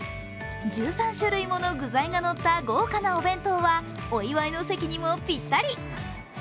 １３種類もの具材がのった豪華なお弁当は、お祝いの席にもぴったり。